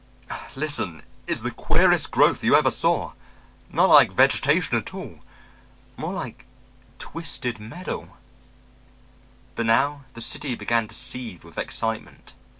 Listen. It's the queerest growth you ever saw. Not like vegetation at all. More like twisted metal...." But now the city began to seethe with excitement.